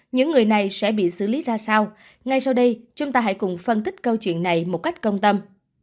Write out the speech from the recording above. những người này sẽ bị xử lý ra sao ngay sau đây chúng ta hãy cùng phân tích câu chuyện này một cách công tâm